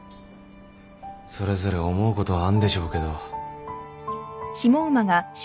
それぞれ思うことはあんでしょうけど。